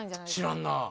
知らんな。